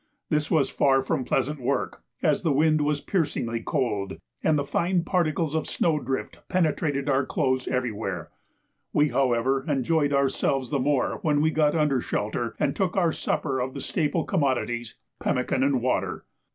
This was far from pleasant work, as the wind was piercingly cold, and the fine particles of snow drift penetrated our clothes everywhere; we, however, enjoyed ourselves the more when we got under shelter and took our supper of the staple commodities, pemmican and water.